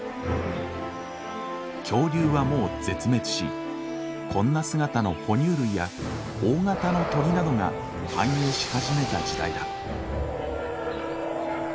恐竜はもう絶滅しこんな姿の哺乳類や大型の鳥などが繁栄し始めた時代だ。